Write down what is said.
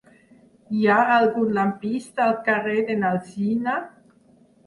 Hi ha algun lampista al carrer de n'Alsina?